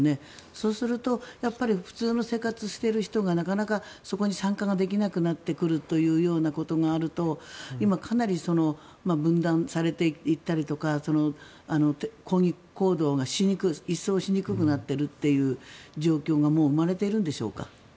そうすると普通の生活をしている人がなかなかそこに参加ができなくなってくることがあると今、かなり分断されていったりとか抗議行動が一層しにくくなっているという状況がもう生まれているんでしょうか？